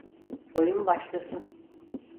Oyun başlasın.